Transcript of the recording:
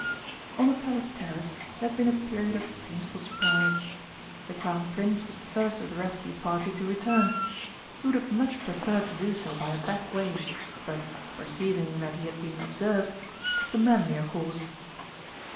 On the Palace terrace there had been a period of painful surprise. The Crown Prince was the first of the rescue party to return. He would have much preferred to do so by a back way, but, perceiving that he had been observed, took the manlier course.